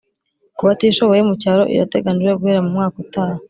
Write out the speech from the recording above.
ku batishoboye mu cyaro irateganijwe guhera mu mwaka utaha .